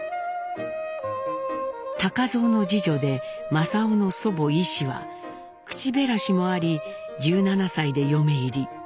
蔵の次女で正雄の祖母イシは口減らしもあり１７歳で嫁入り。